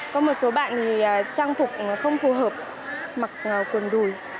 có một số bạn thì trang phục không phù hợp mặc quần đùi